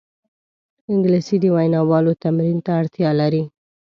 انګلیسي د ویناوالو تمرین ته اړتیا لري